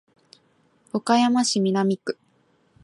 岡山市南区